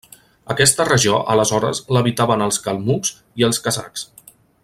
Aquesta regió aleshores l'habitaven els calmucs i els kazakhs.